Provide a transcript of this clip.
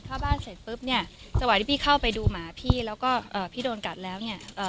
เข้าบ้านเสร็จปุ๊บเนี่ยสวัสดีพี่เข้าไปดูหมาพี่แล้วก็พี่โดนกัดแล้วเนี่ย